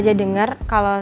gue gak mau